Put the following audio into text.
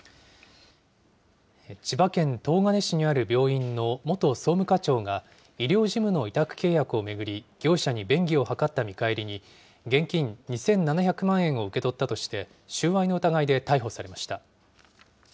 千葉県東金市にある病院の元総務課長が、医療事務の委託契約を巡り、業者に便宜を図った見返りに、現金２７００万円を受け取ったとして、収賄の疑いで逮捕されました。